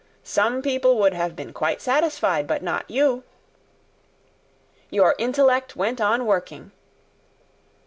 Some people would have been quite satisfied; but not you. Your intellect went on working.